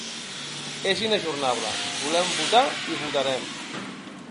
És inajornable: volem votar i votarem.